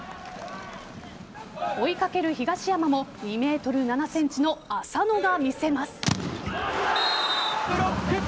追いかける東山も２ｍ７ｃｍの麻野が見せます。